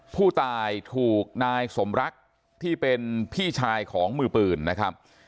ผู้ตายถูกนายสมรักที่เป็นพี่ชายของมือปืนนะครับ